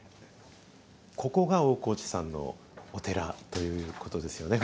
ここが大河内さんのお寺ということですよね。